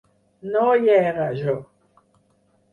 No hi era, jo!